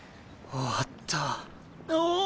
終わった！